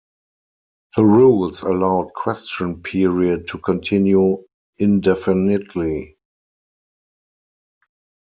The rules allowed question period to continue indefinitely.